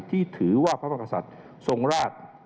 ที่ถือว่าพระมกษัตริย์ทรงราช